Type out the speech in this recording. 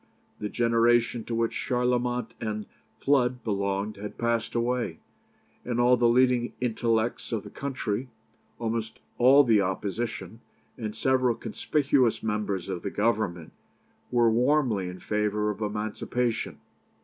The generation to which Charlemont and Flood belonged had passed away, and all the leading intellects of the country, almost all the Opposition, and several conspicuous members of the Government, were warmly in favour of emancipation.